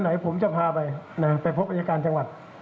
ไหนผมจะพาไปไปพบอายการจังหวัด